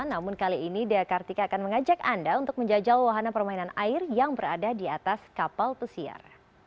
namun kali ini dea kartika akan mengajak anda untuk menjajal wahana permainan air yang berada di atas kapal pesiar